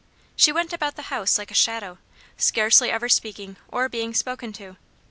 She went about the house like a shadow, scarcely ever speaking or being spoken to.